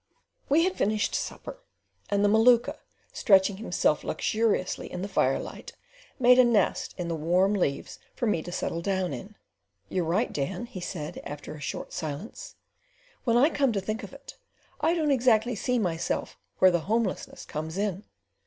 We had finished supper, and the Maluka stretching himself luxuriously in the firelight, made a nest in the warm leaves for me to settle down in. "You're right, Dan," he said, after a short silence, "when I come to think of it; I don't exactly see myself where the homelessness comes in.